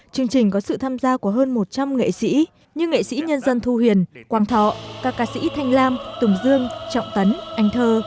chương trình có sự tham gia của hơn một trăm linh nghệ sĩ như nghệ sĩ nhân dân thu huyền quang thọ các ca sĩ thanh lam tùng dương trọng tấn anh thơ